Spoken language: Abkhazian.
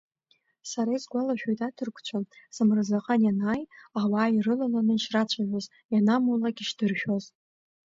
Сара исгәалашәоит аҭырқәцәа, самырзаҟан ианааи, ауаа ирылаланы ишрацәажәоз, ианамулак ишдыршәоз.